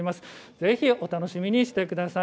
ぜひ楽しみにしていてください。